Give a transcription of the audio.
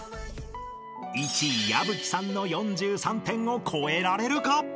［１位矢吹さんの４３点を超えられるか？］